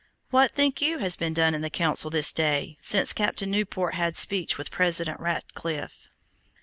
What think you has been done in the Council this day, since Captain Newport had speech with President Ratcliffe?"